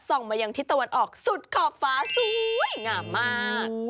มายังทิศตะวันออกสุดขอบฟ้าสวยงามมาก